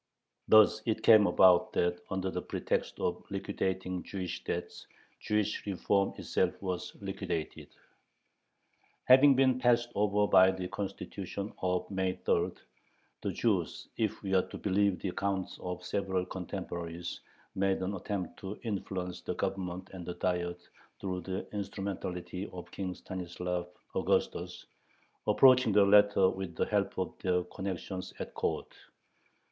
Thus it came about that, under the pretext of liquidating Jewish debts, "Jewish reform" itself was liquidated. Having been passed over by the Constitution of May 3, the Jews, if we are to believe the accounts of several contemporaries, made an attempt to influence the Government and the Diet through the instrumentality of King Stanislav Augustus, approaching the latter with the help of their connections at court.